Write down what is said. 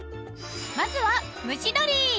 まずは蒸し鶏。